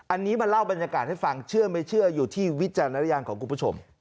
อันนี้มาเล่าบรรยากาศให้ฟังเชื่อไม่เชื่ออยู่ที่วิจารณญาณของคุณผู้ชม